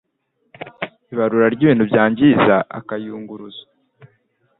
ibarura ry ibintu byangiza akayunguruzo